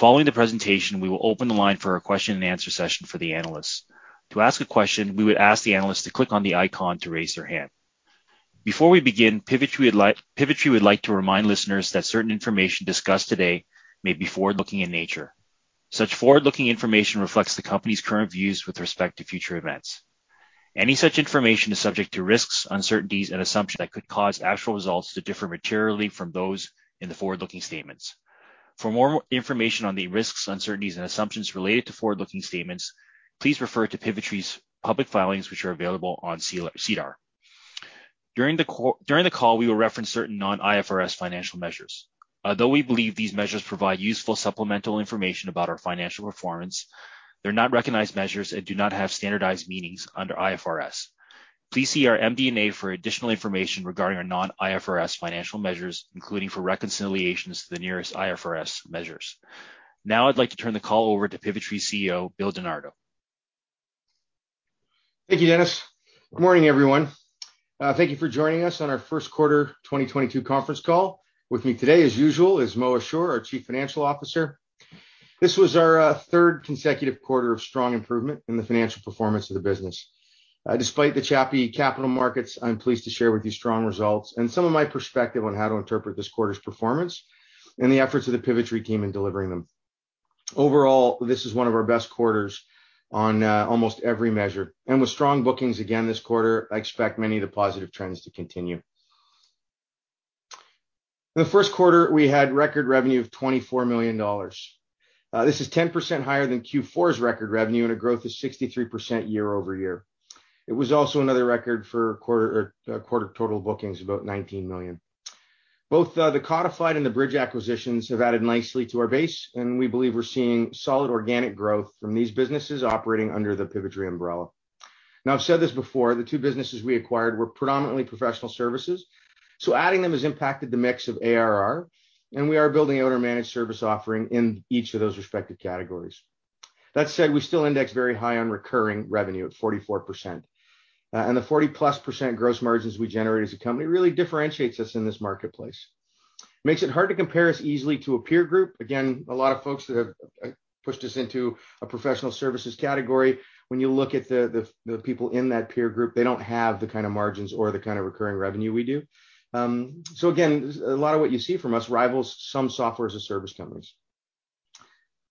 Following the presentation, we will open the line for a question and answer session for the analysts. To ask a question, we would ask the analyst to click on the icon to raise their hand. Before we begin, Pivotree would like to remind listeners that certain information discussed today may be forward-looking in nature. Such forward-looking information reflects the company's current views with respect to future events. Any such information is subject to risks, uncertainties and assumptions that could cause actual results to differ materially from those in the forward-looking statements. For more information on the risks, uncertainties, and assumptions related to forward-looking statements, please refer to Pivotree's public filings, which are available on SEDAR. During the call, we will reference certain non-IFRS financial measures. Although we believe these measures provide useful supplemental information about our financial performance, they're not recognized measures and do not have standardized meanings under IFRS. Please see our MD&A for additional information regarding our non-IFRS financial measures, including for reconciliations to the nearest IFRS measures. Now I'd like to turn the call over to Pivotree CEO, Bill Di Nardo. Thank you, Dennis. Good morning, everyone. Thank you for joining us on our first quarter 2022 conference call. With me today, as usual, is Mo Ashoor, our Chief Financial Officer. This was our third consecutive quarter of strong improvement in the financial performance of the business. Despite the choppy capital markets, I'm pleased to share with you strong results and some of my perspective on how to interpret this quarter's performance and the efforts of the Pivotree team in delivering them. Overall, this is one of our best quarters on almost every measure. With strong bookings again this quarter, I expect many of the positive trends to continue. In the first quarter, we had record revenue of 24 million dollars. This is 10% higher than Q4's record revenue and a growth of 63% year-over-year. It was also another record for quarter total bookings, about 19 million. Both the Codifyd and the Bridge acquisitions have added nicely to our base, and we believe we're seeing solid organic growth from these businesses operating under the Pivotree umbrella. Now, I've said this before, the two businesses we acquired were predominantly professional services, so adding them has impacted the mix of ARR, and we are building out our managed service offering in each of those respective categories. That said, we still index very high on recurring revenue at 44%. The 40+% gross margins we generate as a company really differentiates us in this marketplace. Makes it hard to compare us easily to a peer group. Again, a lot of folks that have pushed us into a professional services category, when you look at the people in that peer group, they don't have the kind of margins or the kind of recurring revenue we do. Again, a lot of what you see from us rivals some software as a service companies.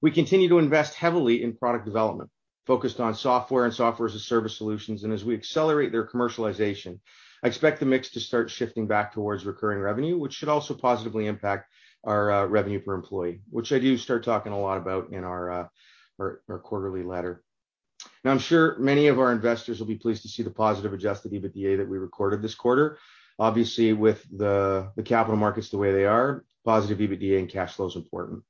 We continue to invest heavily in product development, focused on software and software as a service solutions, and as we accelerate their commercialization, I expect the mix to start shifting back towards recurring revenue, which should also positively impact our revenue per employee, which I do start talking a lot about in our quarterly letter. Now, I'm sure many of our investors will be pleased to see the positive adjusted EBITDA that we recorded this quarter. Obviously, with the capital markets the way they are, positive EBITDA and cash flow is important.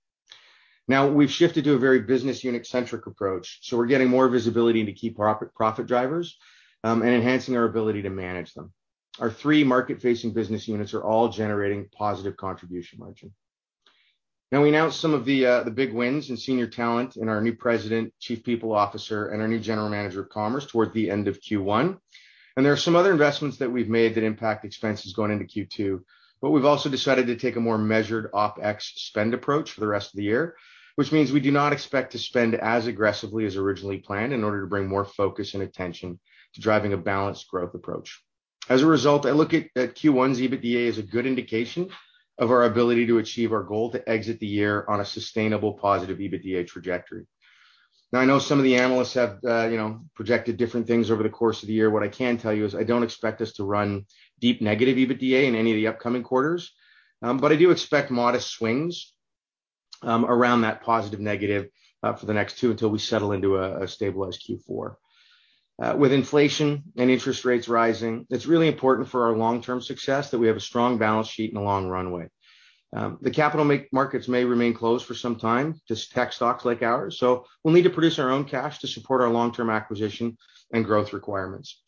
Now we've shifted to a very business unit-centric approach, so we're getting more visibility into key profit drivers, and enhancing our ability to manage them. Our three market-facing business units are all generating positive contribution margin. Now we announced some of the big wins in senior talent in our new President, Chief People Officer, and our new General Manager of Commerce toward the end of Q1. There are some other investments that we've made that impact expenses going into Q2, but we've also decided to take a more measured OpEx spend approach for the rest of the year, which means we do not expect to spend as aggressively as originally planned in order to bring more focus and attention to driving a balanced growth approach. As a result, I look at Q1's EBITDA as a good indication of our ability to achieve our goal to exit the year on a sustainable positive EBITDA trajectory. Now, I know some of the analysts have you know projected different things over the course of the year. What I can tell you is I don't expect us to run deep negative EBITDA in any of the upcoming quarters, but I do expect modest swings around that positive negative for the next two until we settle into a stabilized Q4. With inflation and interest rates rising, it's really important for our long-term success that we have a strong balance sheet and a long runway. The capital markets may remain closed for some time to tech stocks like ours, so we'll need to produce our own cash to support our long-term acquisition and growth requirements.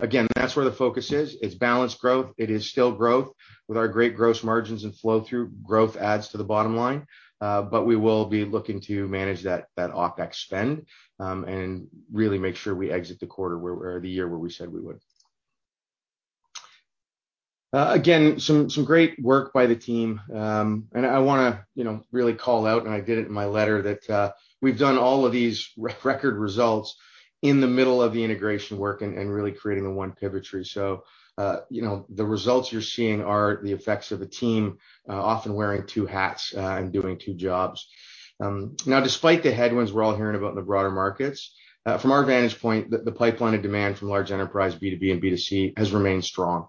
Again, that's where the focus is. It's balanced growth. It is still growth. With our great gross margins and flow through, growth adds to the bottom line, but we will be looking to manage that OpEx spend, and really make sure we exit the quarter or the year where we said we would. Again, some great work by the team. I wanna, you know, really call out, and I did it in my letter, that we've done all of these record results in the middle of the integration work and really creating a One Pivotree. You know, the results you're seeing are the effects of a team often wearing two hats and doing two jobs. Despite the headwinds we're all hearing about in the broader markets, from our vantage point, the pipeline of demand from large enterprise B2B and B2C has remained strong.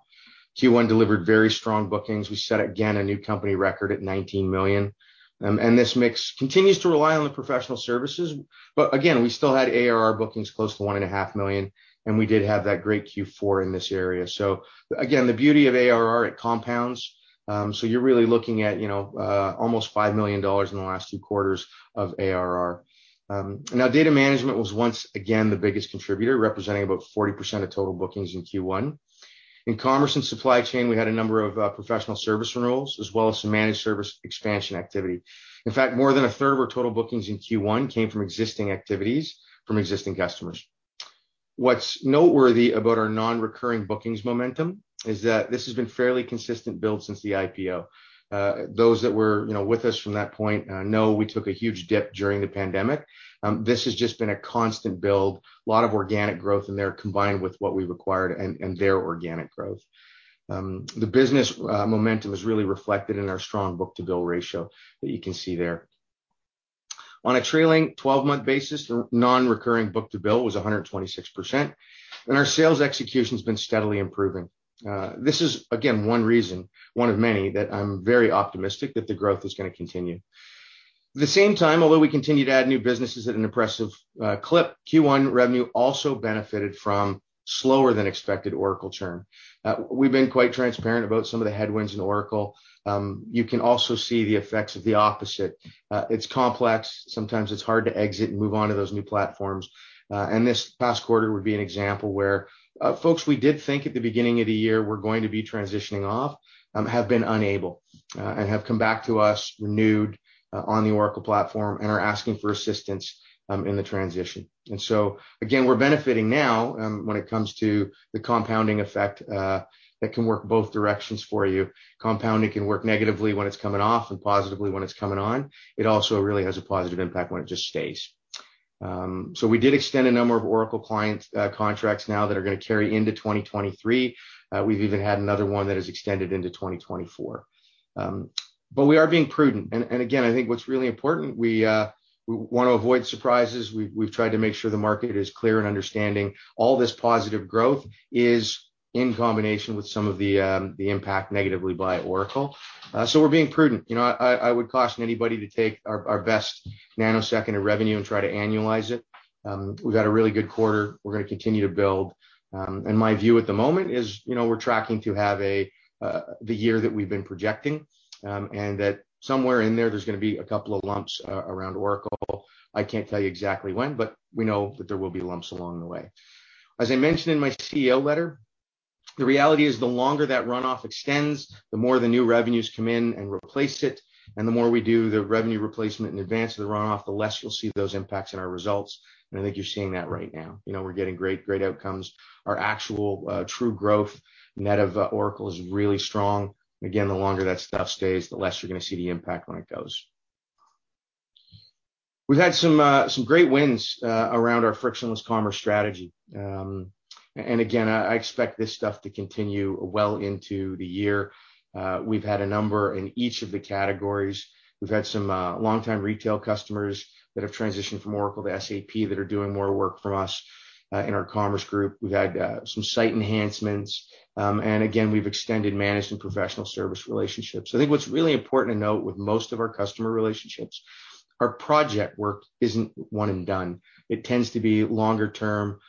Q1 delivered very strong bookings. We set again a new company record at 19 million. This mix continues to rely on the professional services. Again, we still had ARR bookings close to 1.5 million, and we did have that great Q4 in this area. Again, the beauty of ARR, it compounds. You're really looking at, you know, almost 5 million dollars in the last two quarters of ARR. Now data management was once again the biggest contributor, representing about 40% of total bookings in Q1. In commerce and supply chain, we had a number of professional service renewals, as well as some managed service expansion activity. In fact, more than a third of our total bookings in Q1 came from existing activities from existing customers. What's noteworthy about our non-recurring bookings momentum is that this has been fairly consistent build since the IPO. Those that were, you know, with us from that point know we took a huge dip during the pandemic. This has just been a constant build, a lot of organic growth in there combined with what we've acquired and their organic growth. The business momentum is really reflected in our strong book-to-bill ratio that you can see there. On a trailing twelve-month basis, the non-recurring book-to-bill was 126%, and our sales execution's been steadily improving. This is again, one reason, one of many, that I'm very optimistic that the growth is gonna continue. At the same time, although we continue to add new businesses at an impressive clip, Q1 revenue also benefited from slower than expected Oracle churn. We've been quite transparent about some of the headwinds in Oracle. You can also see the effects of the opposite. It's complex. Sometimes it's hard to exit and move on to those new platforms. This past quarter would be an example where, folks we did think at the beginning of the year were going to be transitioning off, have been unable, and have come back to us renewed, on the Oracle platform and are asking for assistance, in the transition. Again, we're benefiting now, when it comes to the compounding effect, that can work both directions for you. Compounding can work negatively when it's coming off, and positively when it's coming on. It also really has a positive impact when it just stays. We did extend a number of Oracle client contracts now that are gonna carry into 2023. We've even had another one that has extended into 2024. But we are being prudent. I think what's really important, we want to avoid surprises. We've tried to make sure the market is clear in understanding all this positive growth is in combination with some of the impact negatively by Oracle. So we're being prudent. You know, I would caution anybody to take our best nanosecond of revenue and try to annualize it. We've had a really good quarter. We're going to continue to build. My view at the moment is, you know, we're tracking to have the year that we've been projecting, and that somewhere in there's going to be a couple of lumps around Oracle. I can't tell you exactly when, but we know that there will be lumps along the way. As I mentioned in my CEO letter, the reality is the longer that runoff extends, the more the new revenues come in and replace it, and the more we do the revenue replacement in advance of the runoff, the less you'll see those impacts in our results, and I think you're seeing that right now. You know, we're getting great outcomes. Our actual true growth net of Oracle is really strong. Again, the longer that stuff stays, the less you're gonna see the impact when it goes. We've had some great wins around our frictionless commerce strategy. And again, I expect this stuff to continue well into the year. We've had a number in each of the categories. We've had some longtime retail customers that have transitioned from Oracle to SAP that are doing more work from us in our commerce group. We've had some site enhancements. Again, we've extended managed and professional service relationships. I think what's really important to note with most of our customer relationships, our project work isn't one and done. It tends to be longer term.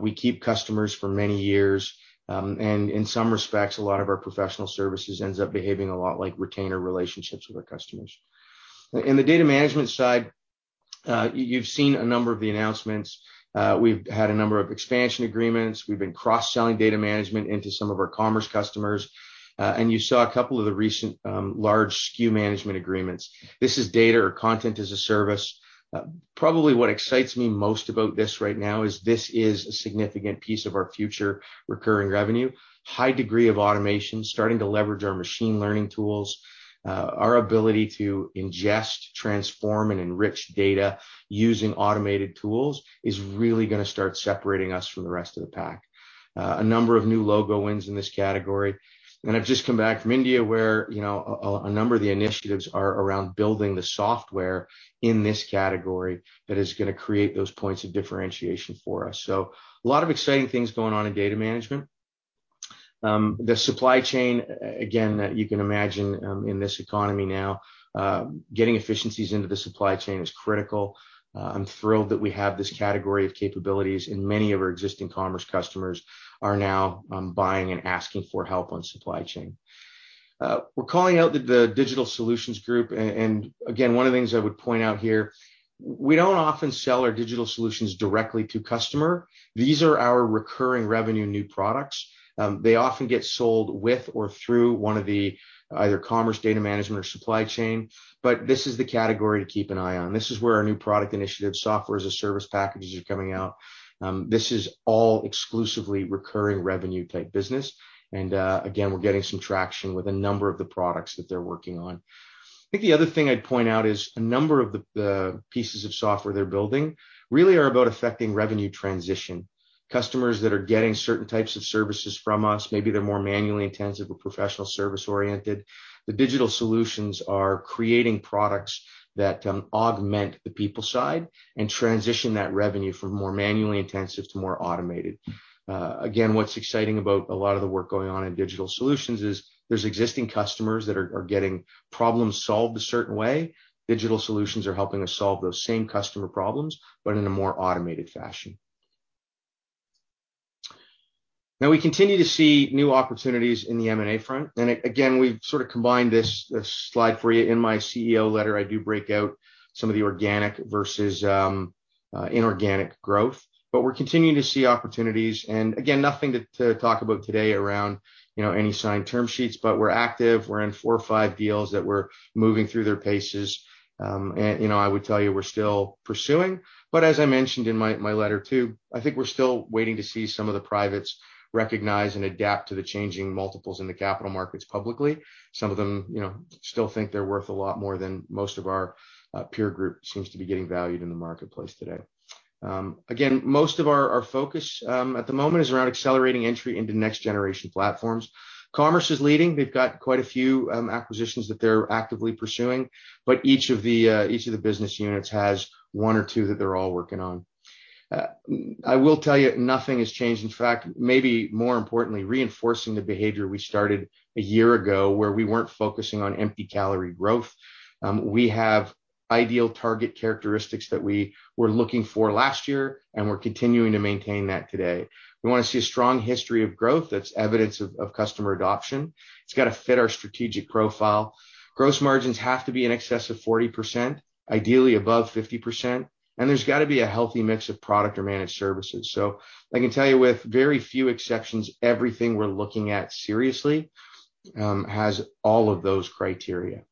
We keep customers for many years. In some respects, a lot of our professional services ends up behaving a lot like retainer relationships with our customers. In the data management side, you've seen a number of the announcements. We've had a number of expansion agreements. We've been cross-selling data management into some of our commerce customers. You saw a couple of the recent large SKU management agreements. This is data or content-as-a-service. Probably what excites me most about this right now is this is a significant piece of our future recurring revenue. High degree of automation, starting to leverage our machine learning tools. Our ability to ingest, transform, and enrich data using automated tools is really gonna start separating us from the rest of the pack. A number of new logo wins in this category. I've just come back from India, where, you know, a number of the initiatives are around building the software in this category that is gonna create those points of differentiation for us. A lot of exciting things going on in data management. The supply chain, again, you can imagine, in this economy now, getting efficiencies into the supply chain is critical. I'm thrilled that we have this category of capabilities, and many of our existing commerce customers are now buying and asking for help on supply chain. We're calling out the digital solutions group. Again, one of the things I would point out here, we don't often sell our digital solutions directly to customer. These are our recurring revenue new products. They often get sold with or through one of the either commerce, data management, or supply chain, but this is the category to keep an eye on. This is where our new product initiative, software as a service packages are coming out. This is all exclusively recurring revenue type business. Again, we're getting some traction with a number of the products that they're working on. I think the other thing I'd point out is a number of the pieces of software they're building really are about affecting revenue transition. Customers that are getting certain types of services from us, maybe they're more manually intensive or professional service-oriented. The digital solutions are creating products that augment the people side and transition that revenue from more manually intensive to more automated. Again, what's exciting about a lot of the work going on in digital solutions is there's existing customers that are getting problems solved a certain way. Digital solutions are helping us solve those same customer problems, but in a more automated fashion. Now, we continue to see new opportunities in the M&A front. Again, we've sort of combined this slide for you. In my CEO letter, I do break out some of the organic versus inorganic growth. We're continuing to see opportunities, and again, nothing to talk about today around, you know, any signed term sheets, but we're active. We're in four or five deals that we're moving through their paces. You know, I would tell you we're still pursuing, but as I mentioned in my letter too, I think we're still waiting to see some of the privates recognize and adapt to the changing multiples in the capital markets publicly. Some of them, you know, still think they're worth a lot more than most of our peer group seems to be getting valued in the marketplace today. Again, most of our focus at the moment is around accelerating entry into next generation platforms. Commerce is leading. They've got quite a few acquisitions that they're actively pursuing, but each of the business units has one or two that they're all working on. I will tell you nothing has changed. In fact, maybe more importantly, reinforcing the behavior we started a year ago where we weren't focusing on empty calorie growth. We have ideal target characteristics that we were looking for last year, and we're continuing to maintain that today. We wanna see a strong history of growth that's evidence of customer adoption. It's gotta fit our strategic profile. Gross margins have to be in excess of 40%, ideally above 50%, and there's gotta be a healthy mix of product or managed services. I can tell you with very few exceptions, everything we're looking at seriously has all of those criteria.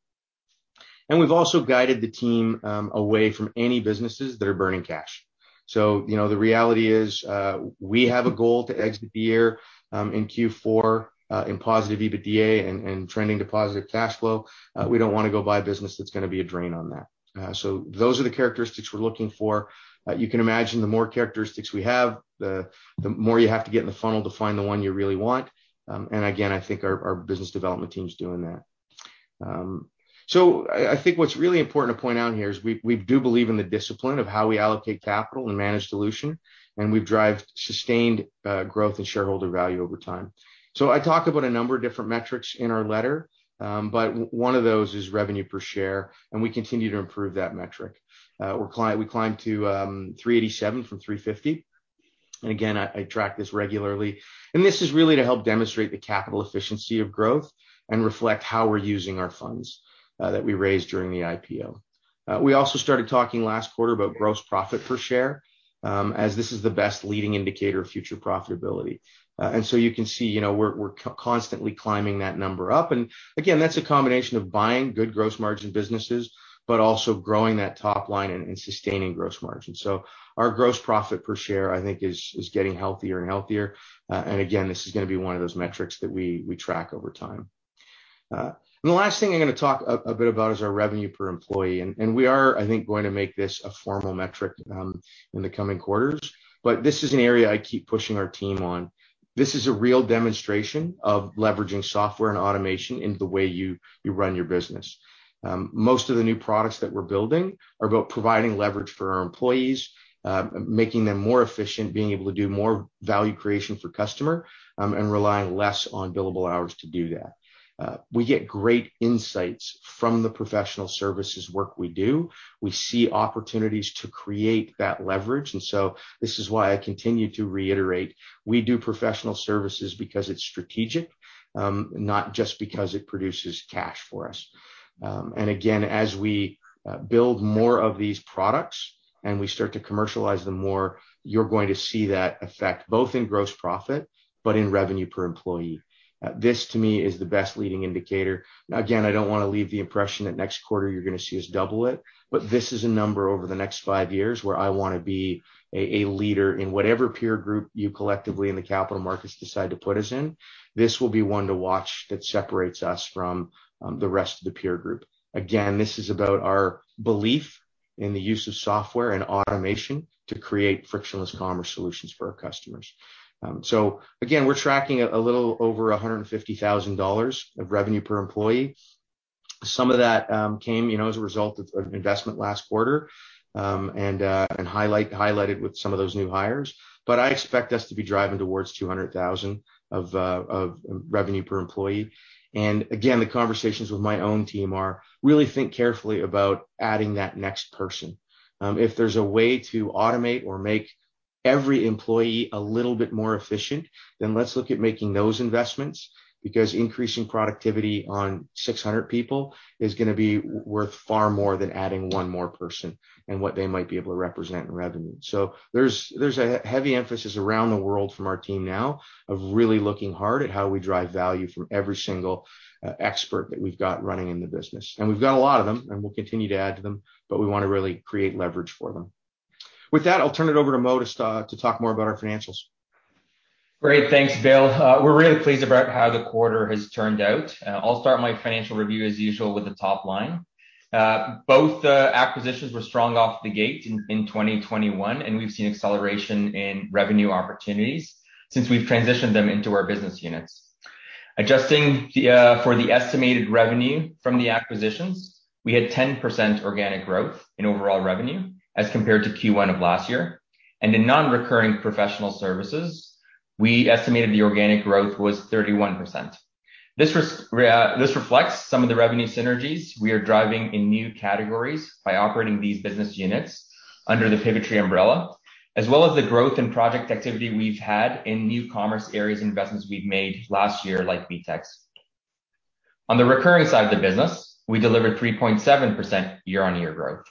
We've also guided the team away from any businesses that are burning cash. You know, the reality is, we have a goal to exit the year in Q4 in positive EBITDA and trending to positive cash flow. We don't wanna go buy a business that's gonna be a drain on that. Those are the characteristics we're looking for. You can imagine the more characteristics we have, the more you have to get in the funnel to find the one you really want. Again, I think our business development team's doing that. I think what's really important to point out here is we do believe in the discipline of how we allocate capital and manage dilution, and we've driven sustained growth and shareholder value over time. I talked about a number of different metrics in our letter, but one of those is revenue per share, and we continue to improve that metric. We climbed to 3.87 from 3.50, and again, I track this regularly. This is really to help demonstrate the capital efficiency of growth and reflect how we're using our funds that we raised during the IPO. We also started talking last quarter about gross profit per share, as this is the best leading indicator of future profitability. You can see, you know, we're constantly climbing that number up. Again, that's a combination of buying good gross margin businesses, but also growing that top line and sustaining gross margin. Our gross profit per share, I think, is getting healthier and healthier. Again, this is gonna be one of those metrics that we track over time. The last thing I'm gonna talk a bit about is our revenue per employee. We are, I think, going to make this a formal metric in the coming quarters, but this is an area I keep pushing our team on. This is a real demonstration of leveraging software and automation into the way you run your business. Most of the new products that we're building are about providing leverage for our employees, making them more efficient, being able to do more value creation for customer, and relying less on billable hours to do that. We get great insights from the professional services work we do. We see opportunities to create that leverage, and so this is why I continue to reiterate, we do professional services because it's strategic, not just because it produces cash for us. Again, as we build more of these products and we start to commercialize them more, you're going to see that effect both in gross profit, but in revenue per employee. This to me is the best leading indicator. Now, again, I don't wanna leave the impression that next quarter you're gonna see us double it, but this is a number over the next five years where I wanna be a leader in whatever peer group you collectively in the capital markets decide to put us in. This will be one to watch that separates us from the rest of the peer group. Again, this is about our belief in the use of software and automation to create frictionless commerce solutions for our customers. Again, we're tracking a little over 150 thousand dollars of revenue per employee. Some of that came, you know, as a result of investment last quarter and highlighted with some of those new hires. I expect us to be driving towards 200 thousand of revenue per employee. Again, the conversations with my own team are really think carefully about adding that next person. If there's a way to automate or make every employee a little bit more efficient, then let's look at making those investments, because increasing productivity on 600 people is gonna be worth far more than adding one more person and what they might be able to represent in revenue. There's a heavy emphasis around the world from our team now of really looking hard at how we drive value from every single expert that we've got running in the business. We've got a lot of them, and we'll continue to add to them, but we wanna really create leverage for them. With that, I'll turn it over to Mo to talk more about our financials. Great. Thanks, Bill. We're really pleased about how the quarter has turned out. I'll start my financial review as usual with the top line. Both acquisitions were strong off the gate in 2021, and we've seen acceleration in revenue opportunities since we've transitioned them into our business units. Adjusting for the estimated revenue from the acquisitions, we had 10% organic growth in overall revenue as compared to Q1 of last year. In non-recurring professional services, we estimated the organic growth was 31%. This reflects some of the revenue synergies we are driving in new categories by operating these business units under the Pivotree umbrella, as well as the growth and project activity we've had in new commerce areas and investments we've made last year, like VTEX. On the recurring side of the business, we delivered 3.7% year-on-year growth.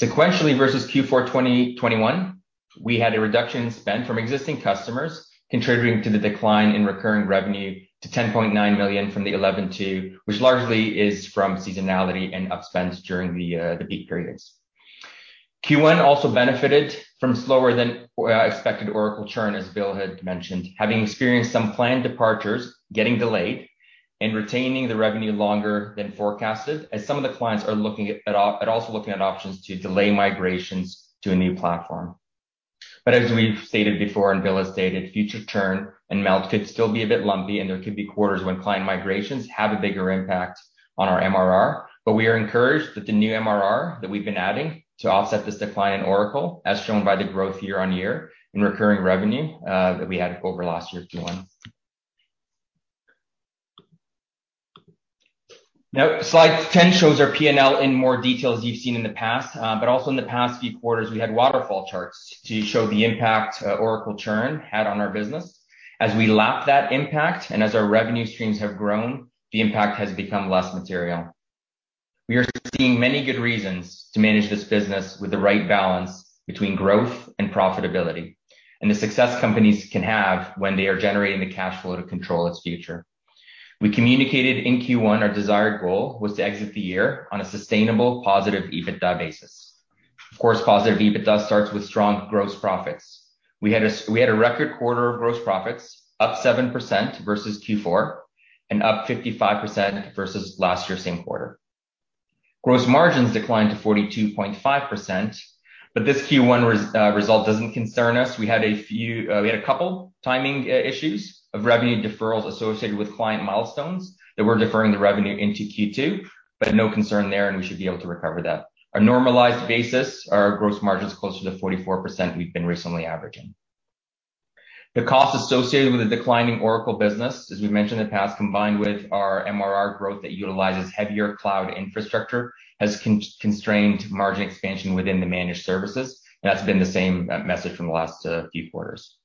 Sequentially versus Q4 2021, we had a reduction in spend from existing customers, contributing to the decline in recurring revenue to 10.9 million from 11.2 million, which largely is from seasonality and upspend during the peak periods. Q1 also benefited from slower than expected Oracle churn, as Bill had mentioned, having experienced some planned departures getting delayed and retaining the revenue longer than forecasted, as some of the clients are looking at also looking at options to delay migrations to a new platform. As we've stated before and Bill has stated, future churn and melt could still be a bit lumpy, and there could be quarters when client migrations have a bigger impact on our MRR. We are encouraged that the new MRR that we've been adding to offset this decline in Oracle, as shown by the growth year-on-year in recurring revenue, that we had over last year's Q1. Slide 10 shows our P&L in more detail as you've seen in the past, but also in the past few quarters, we had waterfall charts to show the impact Oracle churn had on our business. As we lap that impact, and as our revenue streams have grown, the impact has become less material. We are seeing many good reasons to manage this business with the right balance between growth and profitability, and the success companies can have when they are generating the cash flow to control its future. We communicated in Q1 our desired goal was to exit the year on a sustainable positive EBITDA basis. Of course, positive EBITDA starts with strong gross profits. We had a record quarter of gross profits, up 7% versus Q4, and up 55% versus last year same quarter. Gross margins declined to 42.5%, but this Q1 result doesn't concern us. We had a couple timing issues of revenue deferrals associated with client milestones that we're deferring the revenue into Q2, but no concern there, and we should be able to recover that. Our normalized basis, our gross margin is closer to 44% we've been recently averaging. The cost associated with the declining Oracle business, as we mentioned in the past, combined with our MRR growth that utilizes heavier cloud infrastructure, has constrained margin expansion within the managed services. That's been the same message from the last few quarters.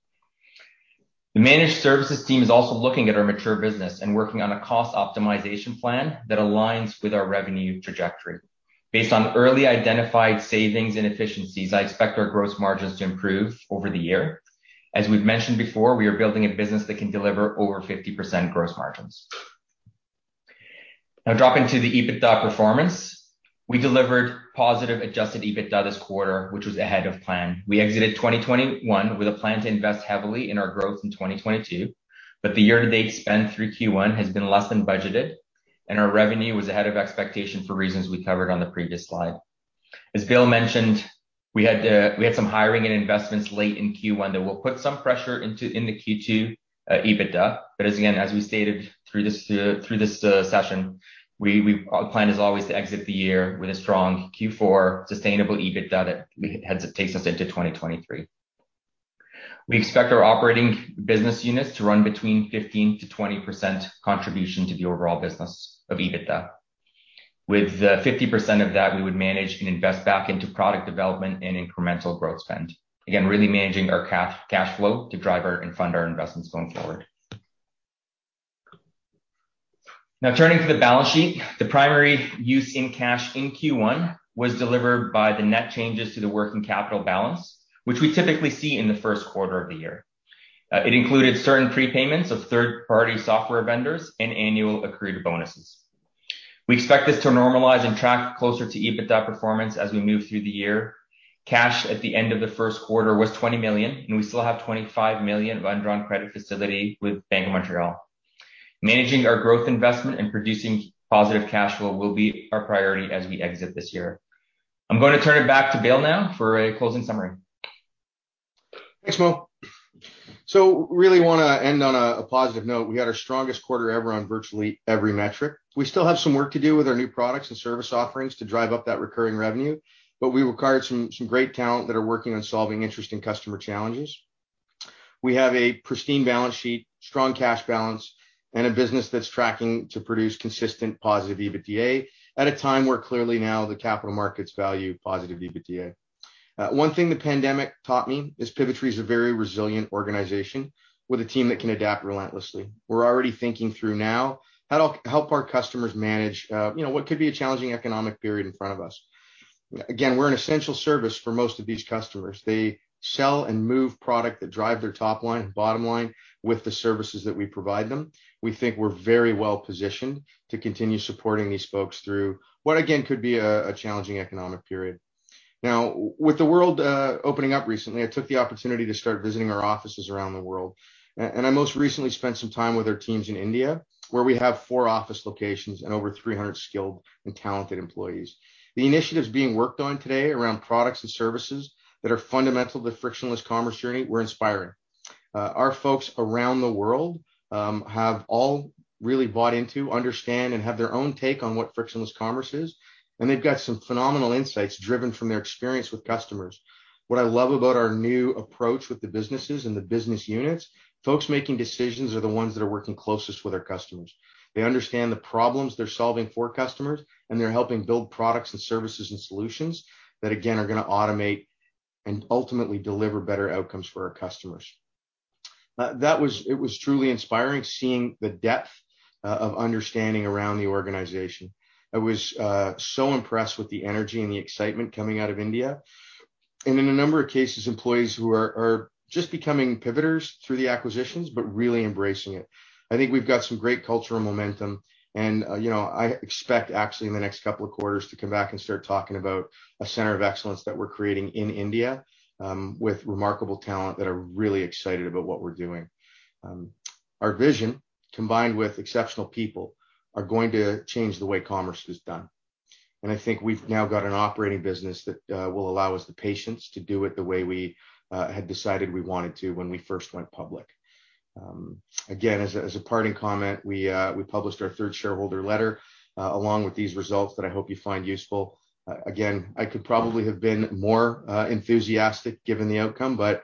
The managed services team is also looking at our mature business and working on a cost optimization plan that aligns with our revenue trajectory. Based on early identified savings and efficiencies, I expect our gross margins to improve over the year. As we've mentioned before, we are building a business that can deliver over 50% gross margins. Now dropping to the EBITDA performance. We delivered positive adjusted EBITDA this quarter, which was ahead of plan. We exited 2021 with a plan to invest heavily in our growth in 2022, but the year-to-date spend through Q1 has been less than budgeted, and our revenue was ahead of expectation for reasons we covered on the previous slide. As Bill mentioned, we had some hiring and investments late in Q1 that will put some pressure into Q2 EBITDA. As we stated through this session, our plan is always to exit the year with a strong Q4 sustainable EBITDA that takes us into 2023. We expect our operating business units to run between 15%-20% contribution to the overall business of EBITDA. With 50% of that we would manage and invest back into product development and incremental growth spend. Again, really managing our cash flow to drive and fund our investments going forward. Now turning to the balance sheet. The primary use of cash in Q1 was delivered by the net changes to the working capital balance, which we typically see in the first quarter of the year. It included certain prepayments of third-party software vendors and annual accreted bonuses. We expect this to normalize and track closer to EBITDA performance as we move through the year. Cash at the end of the first quarter was 20 million, and we still have 25 million of undrawn credit facility with Bank of Montreal. Managing our growth investment and producing positive cash flow will be our priority as we exit this year. I'm going to turn it back to Bill now for a closing summary. Thanks, Mo. Really wanna end on a positive note. We had our strongest quarter ever on virtually every metric. We still have some work to do with our new products and service offerings to drive up that recurring revenue, but we acquired some great talent that are working on solving interesting customer challenges. We have a pristine balance sheet, strong cash balance, and a business that's tracking to produce consistent positive EBITDA at a time where clearly now the capital markets value positive EBITDA. One thing the pandemic taught me is Pivotree is a very resilient organization with a team that can adapt relentlessly. We're already thinking through now how to help our customers manage what could be a challenging economic period in front of us. Again, we're an essential service for most of these customers. They sell and move product that drive their top line and bottom line with the services that we provide them. We think we're very well positioned to continue supporting these folks through what again could be a challenging economic period. Now, with the world opening up recently, I took the opportunity to start visiting our offices around the world. And I most recently spent some time with our teams in India, where we have four office locations and over 300 skilled and talented employees. The initiatives being worked on today around products and services that are fundamental to the frictionless commerce journey were inspiring. Our folks around the world have all really bought into, understand, and have their own take on what frictionless commerce is, and they've got some phenomenal insights driven from their experience with customers. What I love about our new approach with the businesses and the business units, folks making decisions are the ones that are working closest with our customers. They understand the problems they're solving for customers, and they're helping build products and services and solutions that again are gonna automate and ultimately deliver better outcomes for our customers. That was truly inspiring seeing the depth of understanding around the organization. I was so impressed with the energy and the excitement coming out of India. In a number of cases, employees who are just becoming pivoters through the acquisitions, but really embracing it. I think we've got some great cultural momentum. You know, I expect actually in the next couple of quarters to come back and start talking about a center of excellence that we're creating in India, with remarkable talent that are really excited about what we're doing. Our vision, combined with exceptional people, are going to change the way commerce is done. I think we've now got an operating business that will allow us the patience to do it the way we had decided we wanted to when we first went public. Again, as a parting comment, we published our third shareholder letter along with these results that I hope you find useful. Again, I could probably have been more enthusiastic given the outcome, but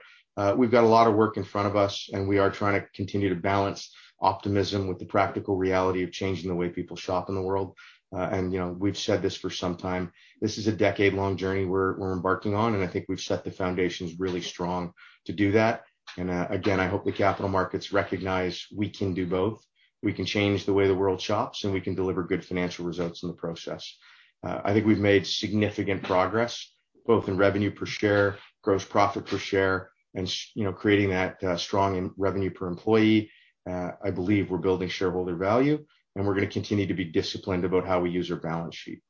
we've got a lot of work in front of us, and we are trying to continue to balance optimism with the practical reality of changing the way people shop in the world. You know, we've said this for some time, this is a decade-long journey we're embarking on, and I think we've set the foundations really strong to do that. Again, I hope the capital markets recognize we can do both. We can change the way the world shops, and we can deliver good financial results in the process. I think we've made significant progress, both in revenue per share, gross profit per share, and you know, creating that strong in revenue per employee. I believe we're building shareholder value, and we're gonna continue to be disciplined about how we use our balance sheet.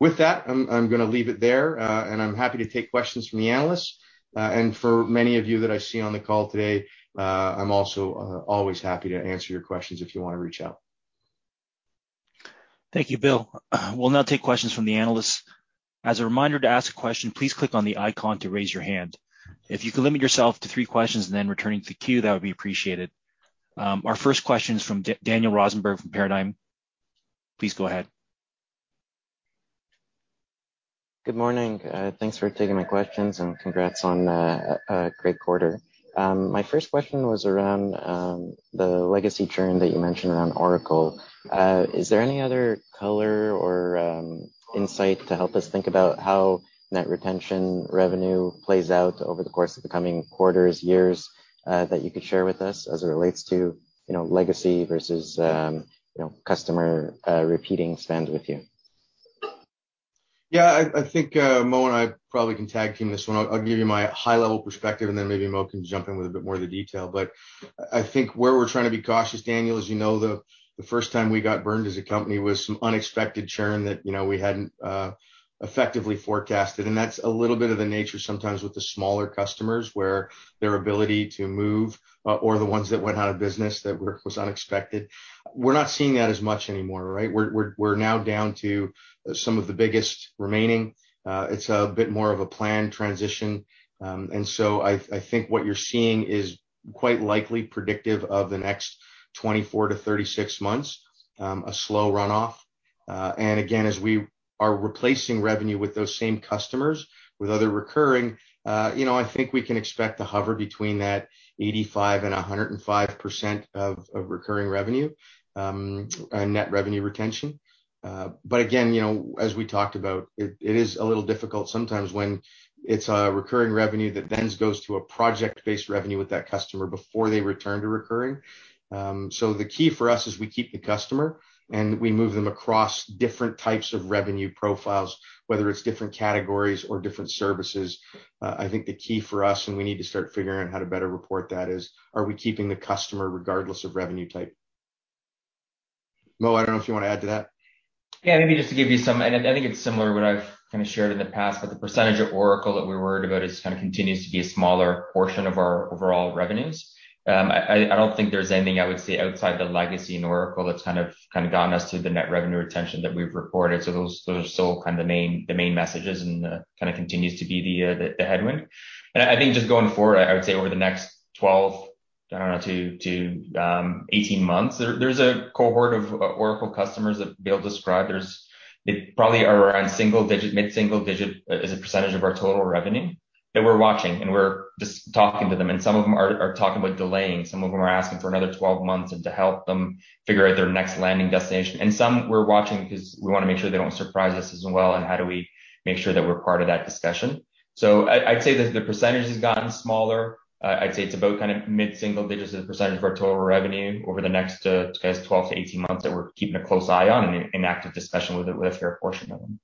With that, I'm gonna leave it there, and I'm happy to take questions from the analysts. For many of you that I see on the call today, I'm also always happy to answer your questions if you wanna reach out. Thank you, Bill. We'll now take questions from the analysts. As a reminder to ask a question, please click on the icon to raise your hand. If you could limit yourself to three questions and then returning to the queue, that would be appreciated. Our first question is from Daniel Rosenberg from Paradigm. Please go ahead. Good morning. Thanks for taking my questions, and congrats on a great quarter. My first question was around the legacy churn that you mentioned around Oracle. Is there any other color or insight to help us think about how net retention revenue plays out over the course of the coming quarters, years, that you could share with us as it relates to, you know, legacy versus, you know, customer repeating spend with you? Yeah. I think Mo and I probably can tag team this one. I'll give you my high-level perspective, and then maybe Mo can jump in with a bit more of the detail. I think where we're trying to be cautious, Daniel, as you know, the first time we got burned as a company was some unexpected churn that, you know, we hadn't effectively forecasted. That's a little bit of the nature sometimes with the smaller customers, where their ability to move or the ones that went out of business that was unexpected. We're not seeing that as much anymore, right? We're now down to some of the biggest remaining. It's a bit more of a planned transition. I think what you're seeing is quite likely predictive of the next 24-36 months, a slow runoff. Again, as we are replacing revenue with those same customers with other recurring, you know, I think we can expect to hover between that 85%-105% of recurring revenue, a net revenue retention. Again, you know, as we talked about, it is a little difficult sometimes when it's a recurring revenue that then goes to a project-based revenue with that customer before they return to recurring. The key for us is we keep the customer, and we move them across different types of revenue profiles, whether it's different categories or different services. I think the key for us, and we need to start figuring out how to better report that, is, are we keeping the customer regardless of revenue type. Mo, I don't know if you want to add to that. Yeah. Maybe just to give you some I think it's similar what I've kind of shared in the past, but the percentage of Oracle that we're worried about kind of continues to be a smaller portion of our overall revenues. I don't think there's anything I would say outside the legacy in Oracle that's kind of gotten us to the net revenue retention that we've reported. So those are still kind of the main messages and kind of continues to be the headwind. I think just going forward, I would say over the next 12, I don't know, to 18 months, there's a cohort of Oracle customers that Bill described. They probably are around single-digit, mid-single-digit percent of our total revenue that we're watching, and we're just talking to them. Some of them are talking about delaying. Some of them are asking for another 12 months and to help them figure out their next landing destination. Some we're watching because we wanna make sure they don't surprise us as well and how do we make sure that we're part of that discussion. I'd say the percentage has gotten smaller. I'd say it's about kind of mid-single-digit percent of our total revenue over the next 12-18 months that we're keeping a close eye on and in active discussion with a fair portion of them.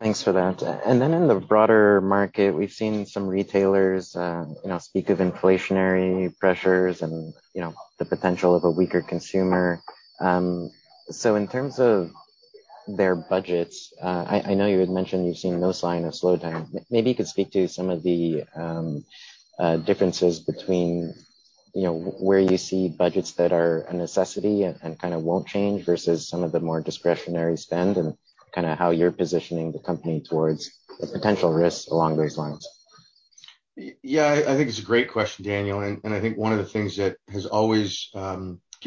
Thanks for that. In the broader market, we've seen some retailers, you know, speak of inflationary pressures and, you know, the potential of a weaker consumer. In terms of their budgets, I know you had mentioned you've seen no sign of slowdown. Maybe you could speak to some of the differences between, you know, where you see budgets that are a necessity and kind of won't change versus some of the more discretionary spend and kinda how you're positioning the company towards the potential risks along those lines. Yeah, I think it's a great question, Daniel. I think one of the things that has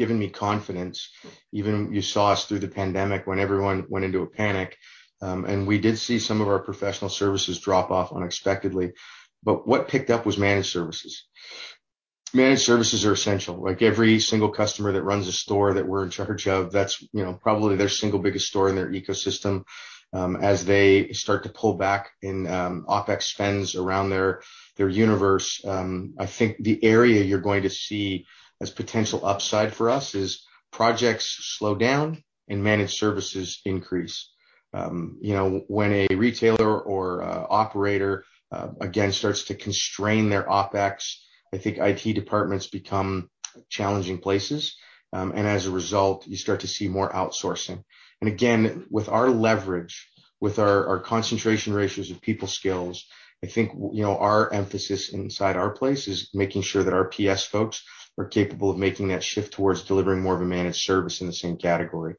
always given me confidence, even you saw us through the pandemic when everyone went into a panic, and we did see some of our professional services drop off unexpectedly. What picked up was managed services. Managed services are essential. Like every single customer that runs a store that we're in charge of, that's, you know, probably their single biggest store in their ecosystem. As they start to pull back in OpEx spends around their universe, I think the area you're going to see as potential upside for us is projects slow down and managed services increase. You know, when a retailer or a operator again starts to constrain their OpEx, I think IT departments become challenging places. As a result, you start to see more outsourcing. Again, with our leverage, with our concentration ratios of people skills, I think, you know, our emphasis inside our place is making sure that our PS folks are capable of making that shift towards delivering more of a managed service in the same category.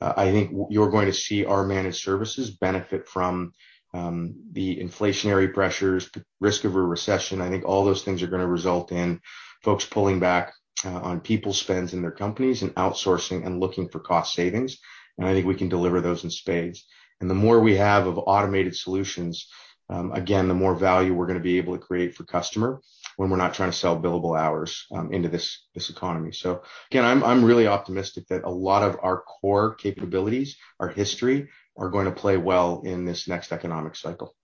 I think you're going to see our managed services benefit from the inflationary pressures, the risk of a recession. I think all those things are gonna result in folks pulling back on people spends in their companies and outsourcing and looking for cost savings, and I think we can deliver those in spades. The more we have of automated solutions, again, the more value we're gonna be able to create for customer when we're not trying to sell billable hours into this economy. Again, I'm really optimistic that a lot of our core capabilities, our history, are going to play well in this next economic cycle.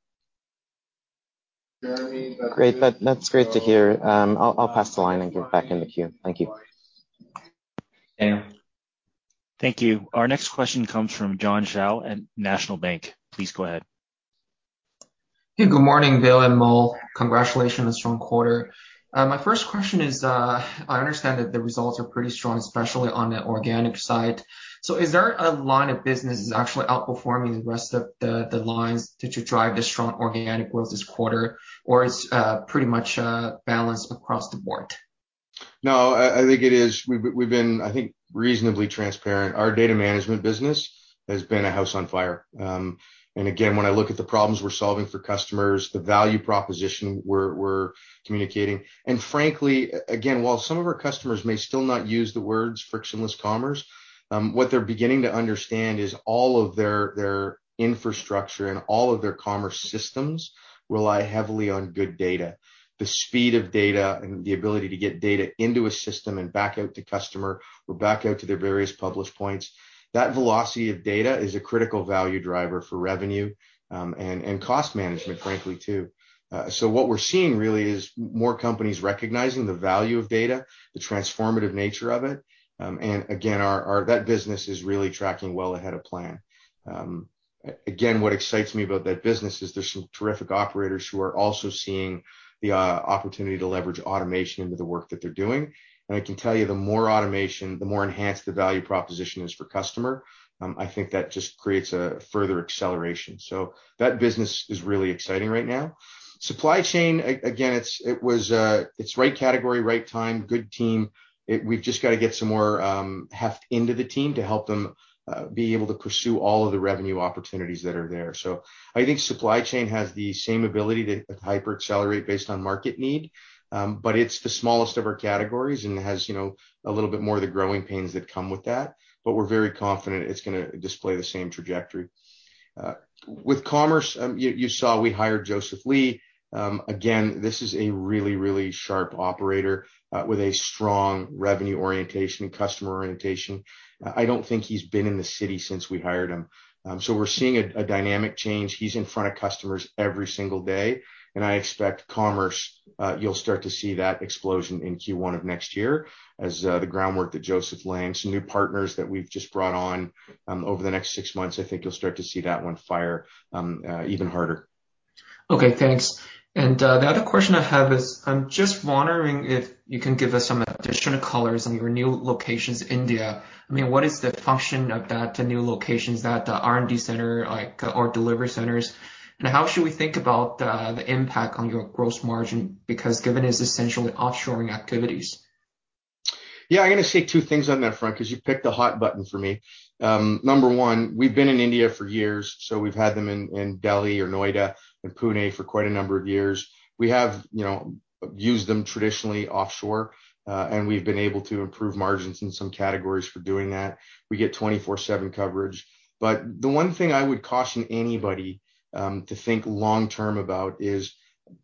Jeremy, that's it. Great. That's great to hear. I'll pass the line and get back in the queue. Thank you. Daniel, thank you. Our next question comes from John Shao at National Bank. Please go ahead. Hey, good morning, Bill and Mo. Congratulations on the strong quarter. My first question is, I understand that the results are pretty strong, especially on the organic side. Is there a line of business that's actually outperforming the rest of the lines that you drive the strong organic growth this quarter, or it's pretty much balanced across the board? No, I think it is. We've been, I think, reasonably transparent. Our data management business has been a house on fire. Again, when I look at the problems we're solving for customers, the value proposition we're communicating. Frankly, again, while some of our customers may still not use the words frictionless commerce, what they're beginning to understand is all of their infrastructure and all of their commerce systems rely heavily on good data. The speed of data and the ability to get data into a system and back out to customer or back out to their various published points, that velocity of data is a critical value driver for revenue, and cost management, frankly, too. What we're seeing really is more companies recognizing the value of data, the transformative nature of it. Again, that business is really tracking well ahead of plan. Again, what excites me about that business is there's some terrific operators who are also seeing the opportunity to leverage automation into the work that they're doing. I can tell you the more automation, the more enhanced the value proposition is for customer. I think that just creates a further acceleration. That business is really exciting right now. Supply chain, again, it's right category, right time, good team. We've just got to get some more heft into the team to help them be able to pursue all of the revenue opportunities that are there. I think supply chain has the same ability to hyper-accelerate based on market need. It's the smallest of our categories, and it has, you know, a little bit more of the growing pains that come with that. We're very confident it's gonna display the same trajectory. With commerce, you saw we hired Joseph Lee. Again, this is a really sharp operator with a strong revenue orientation and customer orientation. I don't think he's been in the city since we hired him. We're seeing a dynamic change. He's in front of customers every single day, and I expect commerce, you'll start to see that explosion in Q1 of next year as the groundwork that Joseph laying, some new partners that we've just brought on. Over the next six months, I think you'll start to see that one fire even harder. Okay, thanks. The other question I have is, I'm just wondering if you can give us some additional colors on your new locations, India. I mean, what is the function of that, the new locations that the R&D center, like, or delivery centers? How should we think about the impact on your gross margin because given it's essentially offshoring activities? Yeah. I'm gonna say two things on that front 'cause you picked a hot button for me. Number one, we've been in India for years, so we've had them in Delhi or Noida and Pune for quite a number of years. We have, you know, used them traditionally offshore, and we've been able to improve margins in some categories for doing that. We get 24/7 coverage. The one thing I would caution anybody to think long term about is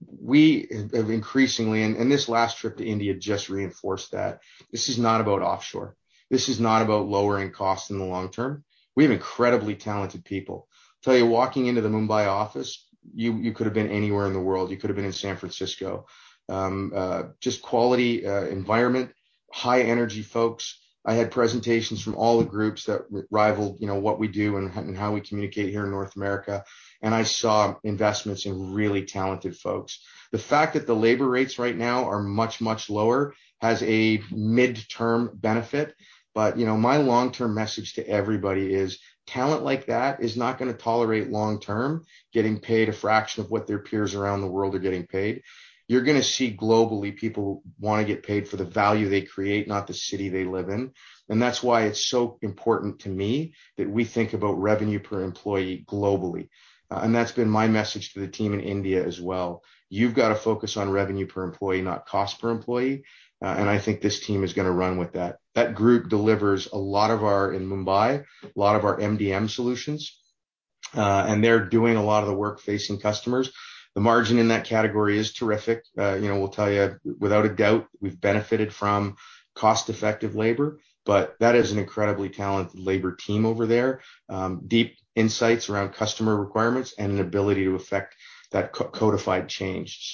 we have increasingly, and this last trip to India just reinforced that. This is not about offshore. This is not about lowering costs in the long term. We have incredibly talented people. Tell you, walking into the Mumbai office, you could have been anywhere in the world. You could have been in San Francisco. Just quality environment, high energy folks. I had presentations from all the groups that rivaled, you know, what we do and how we communicate here in North America, and I saw investments in really talented folks. The fact that the labor rates right now are much, much lower has a midterm benefit. You know, my long-term message to everybody is talent like that is not gonna tolerate long term getting paid a fraction of what their peers around the world are getting paid. You're gonna see globally people wanna get paid for the value they create, not the city they live in. That's why it's so important to me that we think about revenue per employee globally. That's been my message to the team in India as well. You've got to focus on revenue per employee, not cost per employee. I think this team is gonna run with that. That group in Mumbai delivers a lot of our MDM solutions. They're doing a lot of the work facing customers. The margin in that category is terrific. You know, we'll tell you without a doubt, we've benefited from cost-effective labor, but that is an incredibly talented labor team over there. Deep insights around customer requirements and an ability to effect that Codifyd change.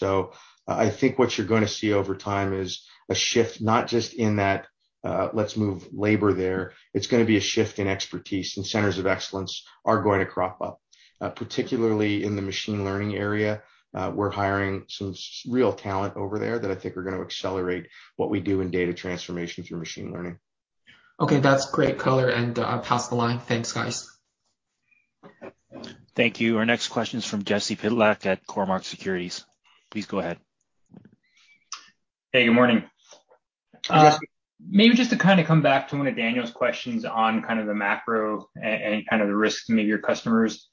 I think what you're gonna see over time is a shift, not just in that, let's move labor there. It's gonna be a shift in expertise, and centers of excellence are going to crop up. Particularly in the machine learning area, we're hiring some real talent over there that I think are gonna accelerate what we do in data transformation through machine learning. Okay. That's great color, and I'll pass the line. Thanks, guys. Thank you. Our next question is from Jesse Pytlak at Cormark Securities. Please go ahead. Hey, good morning. Yes. Maybe just to kind of come back to one of Daniel's questions on kind of the macro and kind of the risk to maybe your customers.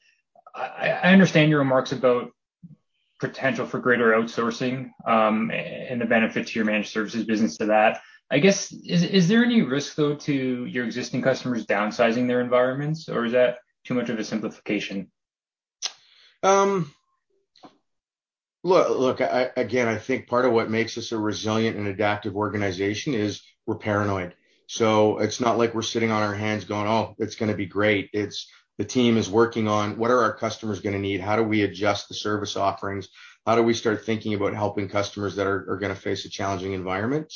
I understand your remarks about potential for greater outsourcing, and the benefit to your managed services business to that. I guess, is there any risk though to your existing customers downsizing their environments, or is that too much of a simplification? Look, again, I think part of what makes us a resilient and adaptive organization is we're paranoid. It's not like we're sitting on our hands going, "Oh, it's gonna be great." It's the team is working on what are our customers gonna need? How do we adjust the service offerings? How do we start thinking about helping customers that are gonna face a challenging environment?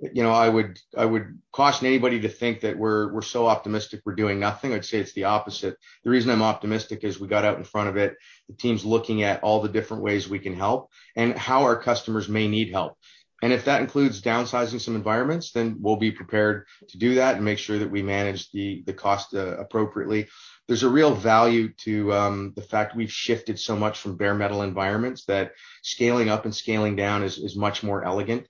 You know, I would caution anybody to think that we're so optimistic we're doing nothing. I'd say it's the opposite. The reason I'm optimistic is we got out in front of it, the team's looking at all the different ways we can help and how our customers may need help. If that includes downsizing some environments, then we'll be prepared to do that and make sure that we manage the cost appropriately. There's a real value to the fact we've shifted so much from bare metal environments, that scaling up and scaling down is much more elegant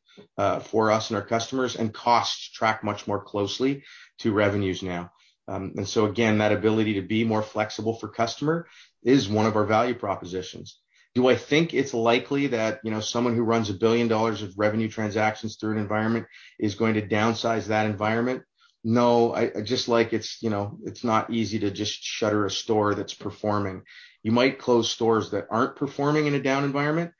for us and our customers, and costs track much more closely to revenues now. Again, that ability to be more flexible for customer is one of our value propositions. Do I think it's likely that, you know, someone who runs 1 billion dollars of revenue transactions through an environment is going to downsize that environment? No. I just like it's, you know, it's not easy to just shutter a store that's performing. You might close stores that aren't performing in a down environment.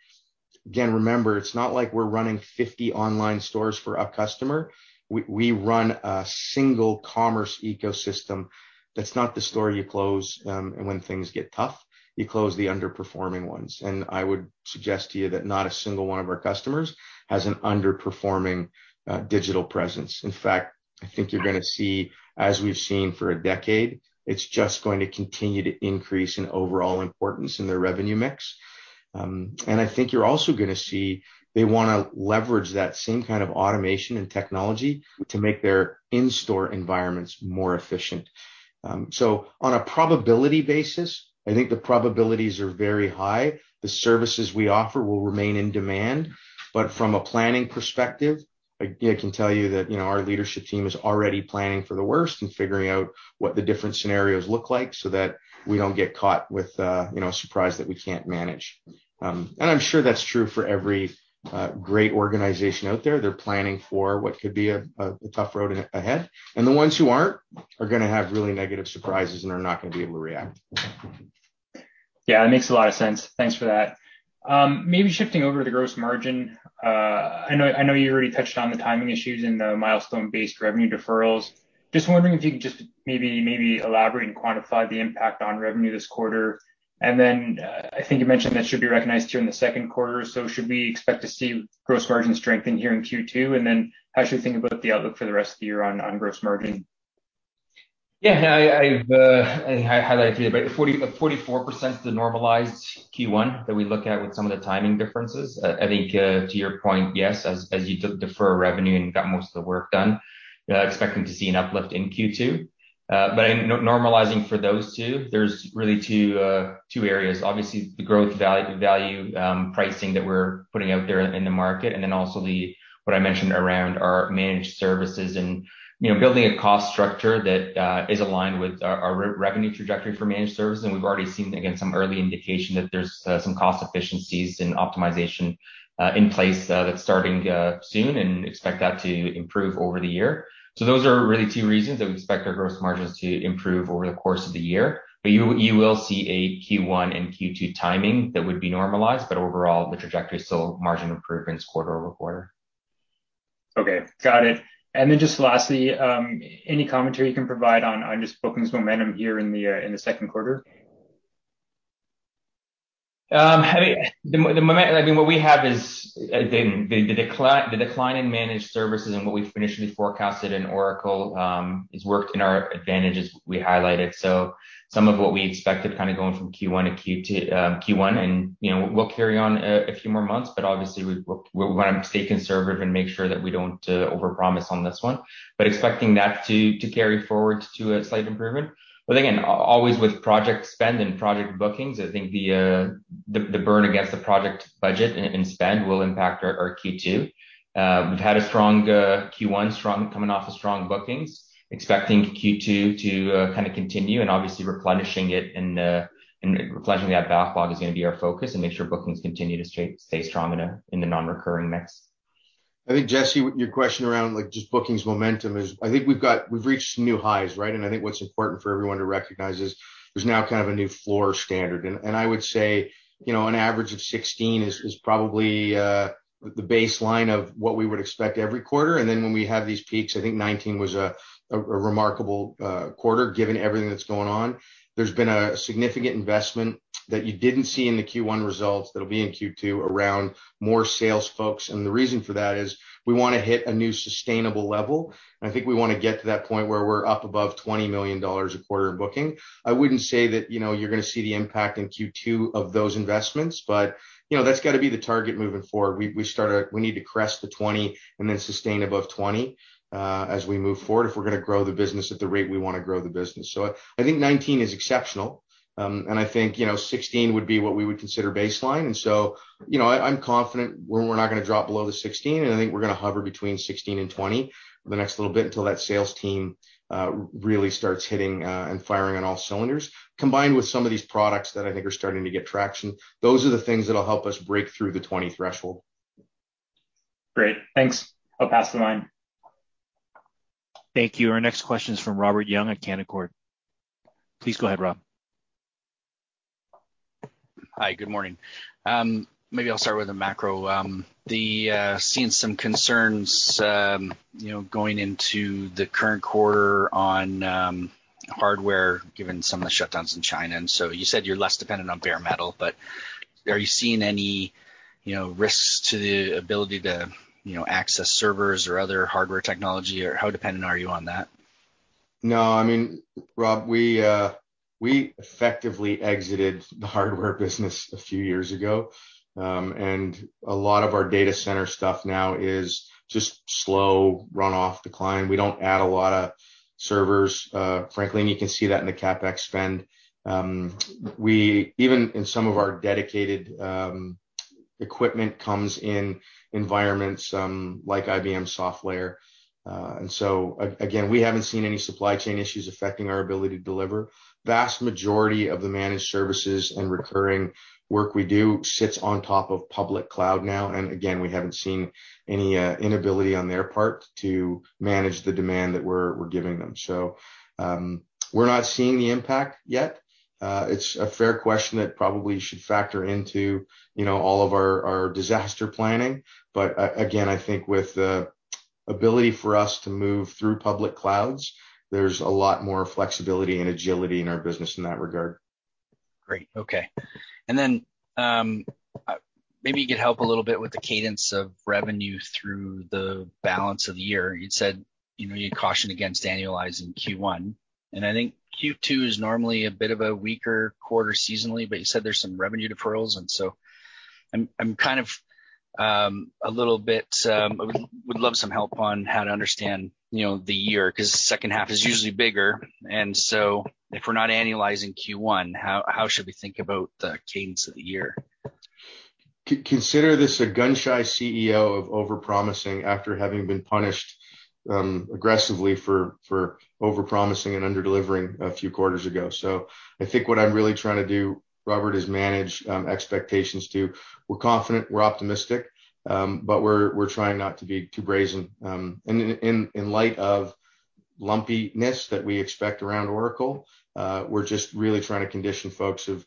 Again, remember, it's not like we're running 50 online stores for a customer. We run a single commerce ecosystem. That's not the store you close when things get tough. You close the underperforming ones. I would suggest to you that not a single one of our customers has an underperforming digital presence. In fact, I think you're gonna see, as we've seen for a decade, it's just going to continue to increase in overall importance in their revenue mix. I think you're also gonna see they wanna leverage that same kind of automation and technology to make their in-store environments more efficient. On a probability basis, I think the probabilities are very high. The services we offer will remain in demand. From a planning perspective, I, again, can tell you that, you know, our leadership team is already planning for the worst and figuring out what the different scenarios look like so that we don't get caught with, you know, a surprise that we can't manage. I'm sure that's true for every great organization out there. They're planning for what could be a tough road ahead. The ones who aren't are gonna have really negative surprises and are not gonna be able to react. Yeah, that makes a lot of sense. Thanks for that. Maybe shifting over to gross margin. I know you already touched on the timing issues and the milestone-based revenue deferrals. Just wondering if you could just maybe elaborate and quantify the impact on revenue this quarter. I think you mentioned that should be recognized here in the second quarter. Should we expect to see gross margin strengthen here in Q2? How should we think about the outlook for the rest of the year on gross margin? Yeah. I've highlighted here about 44% is the normalized Q1 that we look at with some of the timing differences. I think to your point, yes, as you defer revenue and got most of the work done, expecting to see an uplift in Q2. But in normalizing for those two, there's really two areas. Obviously, the growth value pricing that we're putting out there in the market, and then also what I mentioned around our managed services and, you know, building a cost structure that is aligned with our revenue trajectory for managed services. We've already seen, again, some early indication that there's some cost efficiencies and optimization in place that's starting soon and expect that to improve over the year. Those are really two reasons that we expect our gross margins to improve over the course of the year. You will see a Q1 and Q2 timing that would be normalized, but overall, the trajectory is still margin improvements quarter-over-quarter. Okay. Got it. Just lastly, any commentary you can provide on just bookings momentum here in the second quarter? I mean, what we have is the decline in managed services and what we've initially forecasted in Oracle has worked in our advantage as we highlighted. Some of what we expected kind of going from Q1 to Q2, Q1 and, you know, we'll carry on a few more months, but obviously we wanna stay conservative and make sure that we don't overpromise on this one. Expecting that to carry forward to a slight improvement. Again, always with project spend and project bookings, I think the burn against the project budget and spend will impact our Q2. We've had a strong Q1 coming off of strong bookings. Expecting Q2 to kind of continue and obviously replenishing it and replenishing that backlog is gonna be our focus and make sure bookings continue to stay strong in the non-recurring mix. I think, Jesse, your question around like just bookings momentum is I think we've reached new highs, right? I would say, you know, an average of 16 is probably the baseline of what we would expect every quarter. Then when we have these peaks, I think 19 was a remarkable quarter given everything that's going on. There's been a significant investment that you didn't see in the Q1 results that'll be in Q2 around more sales folks. The reason for that is we wanna hit a new sustainable level, and I think we wanna get to that point where we're up above 20 million dollars a quarter in booking. I wouldn't say that, you know, you're gonna see the impact in Q2 of those investments, but, you know, that's gotta be the target moving forward. We need to crest to 20 and then sustain above 20 as we move forward, if we're gonna grow the business at the rate we wanna grow the business. I think 19 is exceptional, and I think, you know, 16 would be what we would consider baseline. You know, I'm confident we're not gonna drop below the 16, and I think we're gonna hover between 16 and 20 for the next little bit until that sales team really starts hitting and firing on all cylinders, combined with some of these products that I think are starting to get traction. Those are the things that'll help us break through the 20 threshold. Great. Thanks. I'll pass the line. Thank you. Our next question is from Robert Young at Canaccord. Please go ahead, Rob. Hi. Good morning. Maybe I'll start with the macro. We've seen some concerns, you know, going into the current quarter on hardware given some of the shutdowns in China. You said you're less dependent on bare metal, but are you seeing any, you know, risks to the ability to, you know, access servers or other hardware technology, or how dependent are you on that? No. I mean, Robert, we effectively exited the hardware business a few years ago, and a lot of our data center stuff now is just slow runoff decline. We don't add a lot of servers, frankly, and you can see that in the CapEx spend. Even in some of our dedicated equipment comes in environments like IBM software. And so again, we haven't seen any supply chain issues affecting our ability to deliver. Vast majority of the managed services and recurring work we do sits on top of public cloud now, and again, we haven't seen any inability on their part to manage the demand that we're giving them. So, we're not seeing the impact yet. It's a fair question that probably should factor into, you know, all of our disaster planning. Again, I think with the ability for us to move through public clouds, there's a lot more flexibility and agility in our business in that regard. Great. Okay. Then, maybe you could help a little bit with the cadence of revenue through the balance of the year. You'd said, you know, you'd caution against annualizing Q1, and I think Q2 is normally a bit of a weaker quarter seasonally, but you said there's some revenue deferrals. I'm kind of a little bit. I would love some help on how to understand, you know, the year 'cause the second half is usually bigger. If we're not annualizing Q1, how should we think about the cadence of the year? Consider this a gun-shy CEO of overpromising after having been punished aggressively for overpromising and under-delivering a few quarters ago. I think what I'm really trying to do, Robert, is manage expectations too. We're confident, we're optimistic, but we're trying not to be too brazen. In light of lumpiness that we expect around Oracle, we're just really trying to condition folks that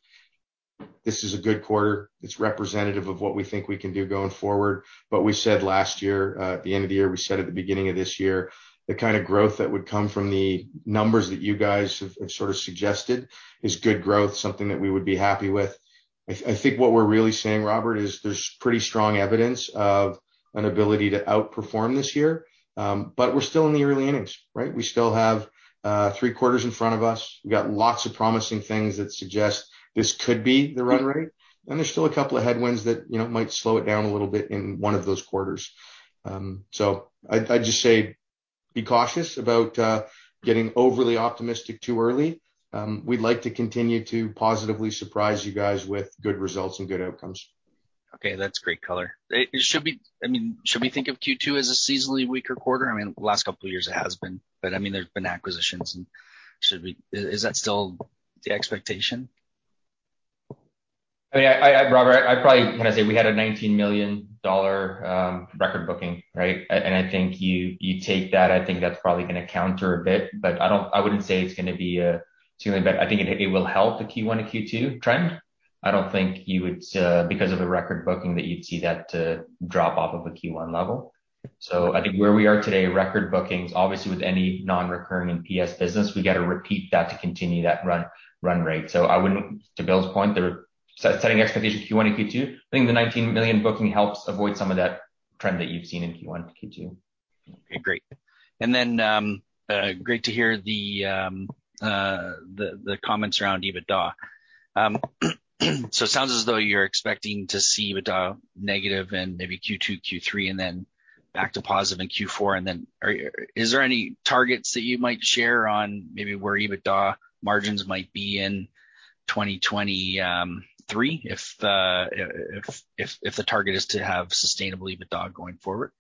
this is a good quarter. It's representative of what we think we can do going forward. What we said last year at the end of the year, we said at the beginning of this year, the kind of growth that would come from the numbers that you guys have sort of suggested is good growth, something that we would be happy with. I think what we're really saying, Robert, is there's pretty strong evidence of an ability to outperform this year, but we're still in the early innings, right? We still have three quarters in front of us. We've got lots of promising things that suggest this could be the run rate, and there's still a couple of headwinds that, you know, might slow it down a little bit in one of those quarters. I'd just say be cautious about getting overly optimistic too early. We'd like to continue to positively surprise you guys with good results and good outcomes. Okay. That's great color. I mean, should we think of Q2 as a seasonally weaker quarter? I mean, the last couple of years it has been, but I mean, there's been acquisitions and is that still the expectation? I mean, Robert, I'd probably kinda say we had a 19 million dollar record booking, right? And I think you take that, I think that's probably gonna counter a bit, but I wouldn't say it's gonna be too many, but I think it will help the Q1 to Q2 trend. I don't think you would, because of the record booking that you'd see that drop off of a Q1 level. I think where we are today, record bookings, obviously with any non-recurring NPS business, we gotta repeat that to continue that run rate. I wouldn't. To Bill's point, they're setting expectations Q1 to Q2. I think the 19 million booking helps avoid some of that trend that you've seen in Q1 to Q2. Okay. Great. Great to hear the comments around EBITDA. It sounds as though you're expecting to see EBITDA negative in maybe Q2, Q3, and then back to positive in Q4. Is there any targets that you might share on maybe where EBITDA margins might be in 2023 if the target is to have sustainable EBITDA going forward?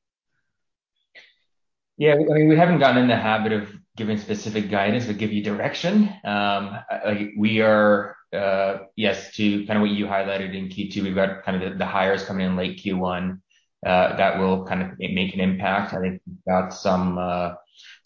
Yeah, I mean, we haven't gotten in the habit of giving specific guidance, but give you direction. We are, yes, to kind of what you highlighted in Q2, we've got kind of the hires coming in late Q1, that will kind of make an impact. I think we've got some of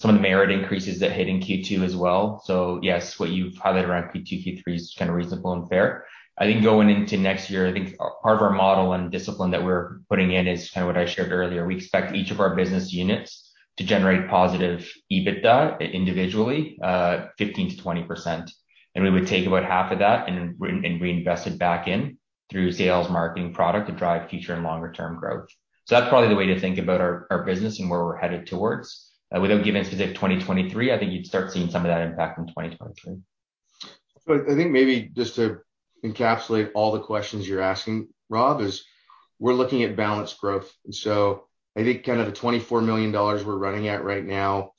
the merit increases that hit in Q2 as well. Yes, what you've highlighted around Q2, Q3 is kind of reasonable and fair. I think going into next year, I think part of our model and discipline that we're putting in is kind of what I shared earlier. We expect each of our business units to generate positive EBITDA individually, 15%-20%. We would take about half of that and reinvest it back in through sales, marketing, product to drive future and longer term growth. That's probably the way to think about our business and where we're headed towards. We don't give any specific 2023. I think you'd start seeing some of that impact in 2023. I think maybe just to encapsulate all the questions you're asking, Rob, is we're looking at balanced growth. I think kind of the 24 million dollars we're running at right now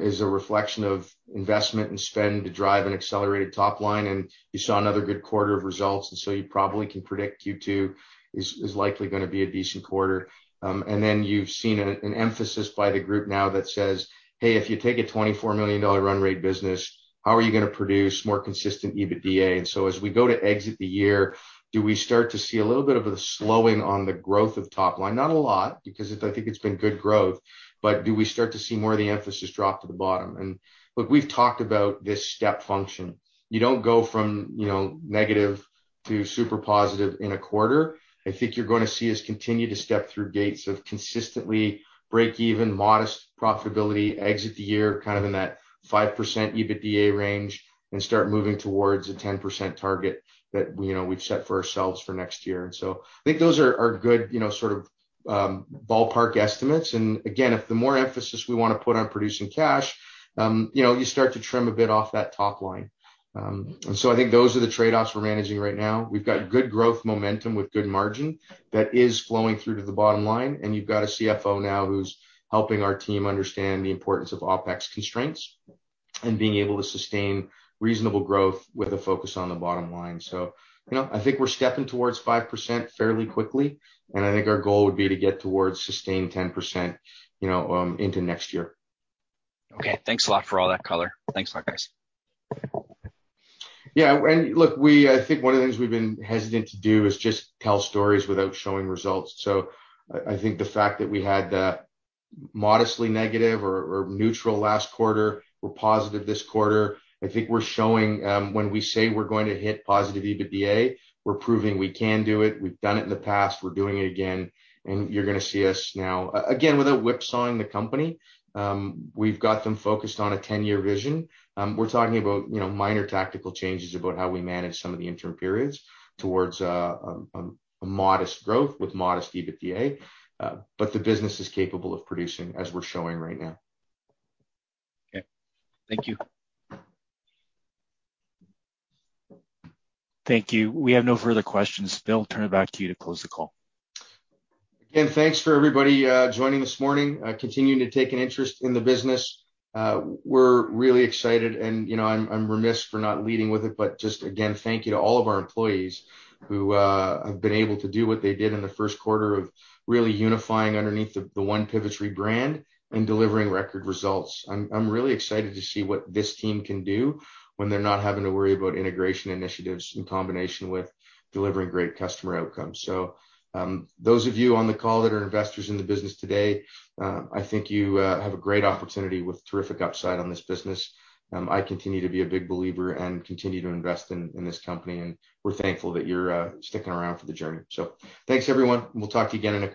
is a reflection of investment and spend to drive an accelerated top line, and you saw another good quarter of results, and so you probably can predict Q2 is likely gonna be a decent quarter. And then you've seen an emphasis by the group now that says, "Hey, if you take a 24 million dollar run rate business, how are you gonna produce more consistent EBITDA?" As we go to exit the year, do we start to see a little bit of a slowing on the growth of top line? Not a lot, because I think it's been good growth, but do we start to see more of the emphasis drop to the bottom? Look, we've talked about this step function. You don't go from, you know, negative to super positive in a quarter. I think you're gonna see us continue to step through gates of consistently break even modest profitability, exit the year kind of in that 5% EBITDA range and start moving towards a 10% target that, you know, we've set for ourselves for next year. I think those are good, you know, sort of, ballpark estimates. If the more emphasis we wanna put on producing cash, you know, you start to trim a bit off that top line. I think those are the trade-offs we're managing right now. We've got good growth momentum with good margin that is flowing through to the bottom line, and you've got a CFO now who's helping our team understand the importance of OpEx constraints and being able to sustain reasonable growth with a focus on the bottom line. You know, I think we're stepping towards 5% fairly quickly, and I think our goal would be to get towards sustained 10%, you know, into next year. Okay. Thanks a lot for all that color. Thanks a lot, guys. Yeah. Look, we, I think one of the things we've been hesitant to do is just tell stories without showing results. I think the fact that we had modestly negative or neutral last quarter, we're positive this quarter. I think we're showing when we say we're going to hit positive EBITDA, we're proving we can do it. We've done it in the past, we're doing it again. You're gonna see us now. Again, without whipsawing the company, we've got them focused on a 10-year vision. We're talking about, you know, minor tactical changes about how we manage some of the interim periods towards a modest growth with modest EBITDA. The business is capable of producing as we're showing right now. Okay. Thank you. Thank you. We have no further questions. Bill, turn it back to you to close the call. Again, thanks for everybody joining this morning, continuing to take an interest in the business. We're really excited and, you know, I'm remiss for not leading with it, but just again, thank you to all of our employees who have been able to do what they did in the first quarter of really unifying underneath the One Pivotree brand and delivering record results. I'm really excited to see what this team can do when they're not having to worry about integration initiatives in combination with delivering great customer outcomes. Those of you on the call that are investors in the business today, I think you have a great opportunity with terrific upside on this business. I continue to be a big believer and continue to invest in this company, and we're thankful that you're sticking around for the journey. Thanks, everyone. We'll talk to you again in a quarter.